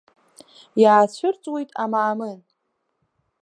Иаацәырҵуеит Амаамын.